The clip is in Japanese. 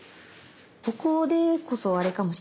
ここでこそあれかもしれないです。